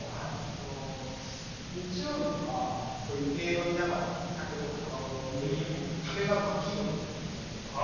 その日曜日とか競馬見ながらお酒とかタバコでもう壁が真っ黄色になってる感じだったんですよね。